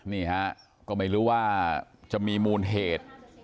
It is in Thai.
นี่ฮะก็ไม่รู้ว่าจะมีมูลเหตุ